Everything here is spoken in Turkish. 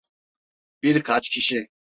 Birkaç kişi.